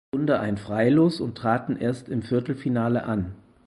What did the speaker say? Runde ein Freilos und traten erst im Viertelfinale an.